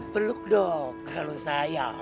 peluk dong kalau sayang